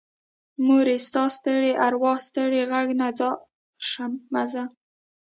مورې ستا ستړي ارواه ستړې غږ نه ځار شمه زه